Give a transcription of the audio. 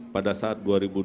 pada saat dua ribu dua puluh